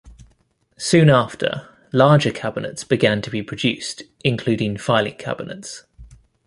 Soon after, larger cabinets began to be produced including filing cabinets.